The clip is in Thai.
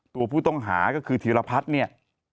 ตัวผู้ต้องหาก็คือธีรพัฒน์เนี่ย